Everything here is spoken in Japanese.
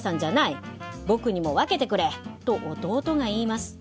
僕にも分けてくれ」と弟が言います。